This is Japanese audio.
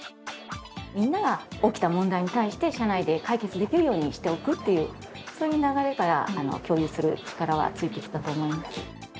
みんなが起きた問題に対して社内で解決できるようにしておくっていうそういう流れから共有する力はついてきたと思います。